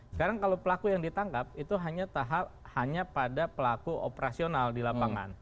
sekarang kalau pelaku yang ditangkap itu hanya pada pelaku operasional di lapangan